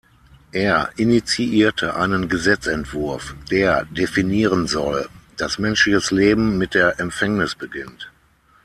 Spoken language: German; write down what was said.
Er initiierte einen Gesetzentwurf, der definieren soll, dass menschliches Leben mit der Empfängnis beginnt.